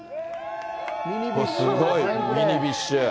すごい、ミニビッシュ。